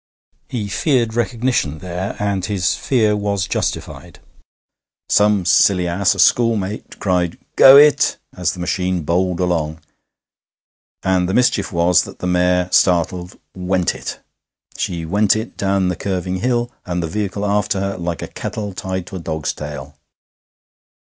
He feared recognition there, and his fear was justified. Some silly ass, a schoolmate, cried, 'Go it!' as the machine bowled along, and the mischief was that the mare, startled, went it. She went it down the curving hill, and the vehicle after her, like a kettle tied to a dog's tail.